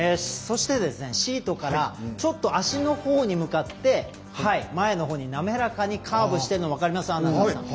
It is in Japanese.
そして、シートからちょっと足のほうに向かって前のほうに滑らかにカーブしているの分かりますか。